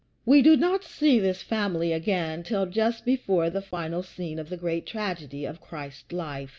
We do not see this family circle again till just before the final scene of the great tragedy of Christ's life.